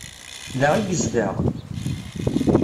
Da i yezdeɣ?